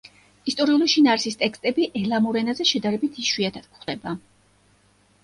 ისტორიული შინაარსის ტექსტები ელამურ ენაზე შედარებით იშვიათად გვხვდება.